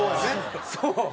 そう。